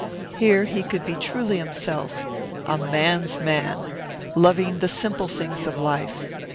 Here he could be truly himself, a man's man, loving the simple things of life.